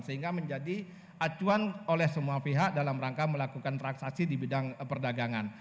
sehingga menjadi acuan oleh semua pihak dalam rangka melakukan transaksi di bidang perdagangan